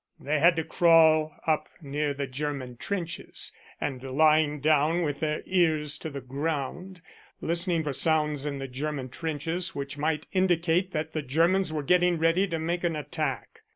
They had to crawl up near the German trenches and, lying down with their ears to the ground, listen for sounds in the German trenches which might indicate that the Germans were getting ready to make an attack.